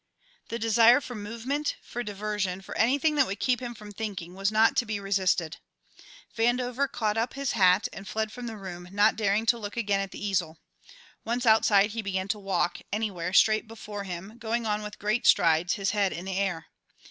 The desire for movement, for diversion, for anything that would keep him from thinking was not to be resisted. Vandover caught up his hat and fled from the room, not daring to look again at the easel. Once outside, he began to walk, anywhere, straight before him, going on with great strides, his head in the air.